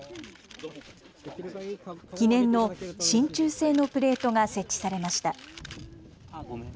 記念のしんちゅう製のプレートが設置されました。